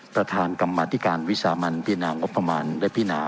ประธานกรรมธิการวิสามันพินางบประมาณได้พินา